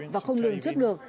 và không được chấp được